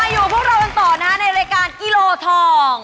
อยู่กับพวกเรากันต่อนะฮะในรายการกิโลทอง